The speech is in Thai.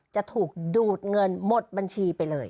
จะถูกดูดเงินหมดบัญชีไปเลย